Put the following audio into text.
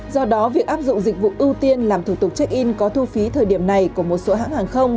do đó việc áp dụng dịch vụ ưu tiên làm thủ tục check in có thu phí thời điểm này của một số hãng hàng không